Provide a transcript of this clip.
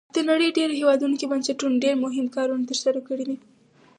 د نړۍ په ډیری هیوادونو کې بنسټونو ډیر مهم کارونه تر سره کړي.